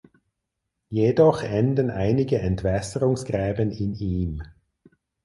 Jedoch enden einige Entwässerungsgräben in ihm.